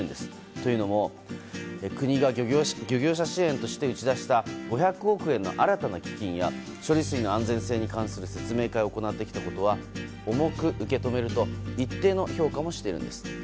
というのも国が漁業者支援として打ち出した５００億円の新たな基金や処理水の安全性に対する説明を行ってきたことは重く受け止めると一定の評価もしているんです。